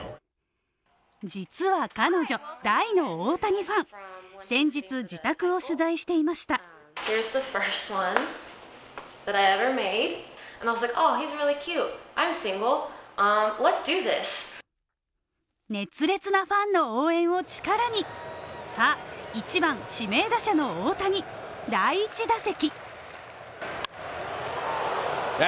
実は彼女、大の大谷ファン、先日自宅を取材していました熱烈なファンの応援を力に、一番指名打者の大谷、第１打席。